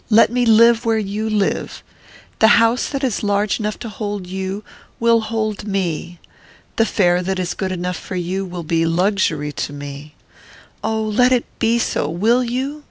Let me live where you live. The house that is large enough to hold you will hold me. The fare that is good enough for you will be luxury to me. Oh! let it be so, will you?